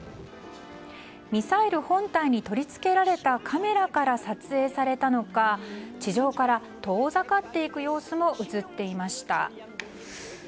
ミサイル本体に取り付けられたカメラから撮影されたのか地上から遠ざかっていく様子も映っていました。